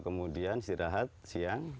kemudian istirahat siang